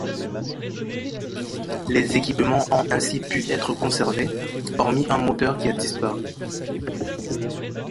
Les équipements ont ainsi pu être conservés, hormis un moteur qui a disparu.